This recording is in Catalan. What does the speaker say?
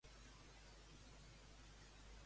En quines religions se li ret culte?